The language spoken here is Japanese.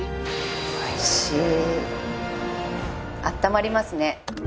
あったまりますね。